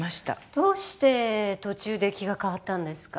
どうして途中で気が変わったんですか？